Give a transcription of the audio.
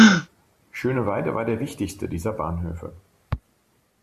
Schöneweide war der wichtigste dieser Bahnhöfe.